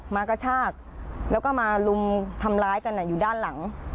กระชากแล้วก็มาลุมทำร้ายกันอยู่ด้านหลัง